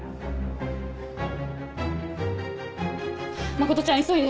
真ちゃん急いで！